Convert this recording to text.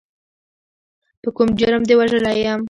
په کوم جرم دې وژلی یم.